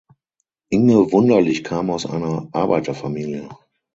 Inge Wunderlich kam aus einer Arbeiterfamilie.